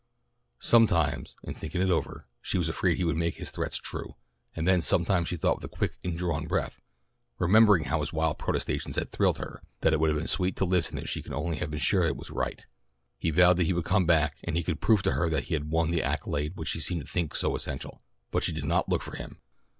Sometimes, in thinking it over, she was afraid he would make his threats true, and then sometimes she thought with a quick indrawn breath, remembering how his wild protestations had thrilled her, that it would have been sweet to listen if she could only have been sure that it was right. He vowed he would come back when he could prove to her that he had won the accolade which she seemed to think was so essential, but she did not look for him.